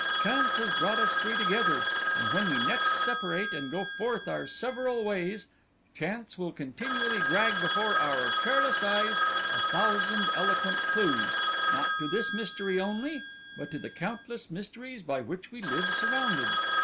Chance has brought us three together; when we next separate and go forth our several ways, Chance will continually drag before our careless eyes a thousand eloquent clues, not to this mystery only, but to the countless mysteries by which we live surrounded.